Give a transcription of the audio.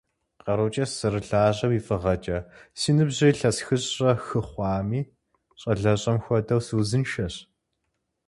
КъарукӀэ сызэрылажьэм и фӀыгъэкӀэ, си ныбжьыр илъэс хыщӏрэ хы хъуами, щӀалэщӀэм хуэдэу, сыузыншэщ.